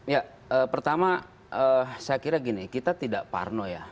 ya pertama saya kira gini kita tidak parno ya